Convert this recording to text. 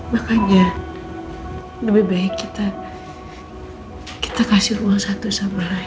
makanya lebih baik kita kasih ruang satu sama lain